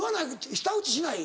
舌打ちしない？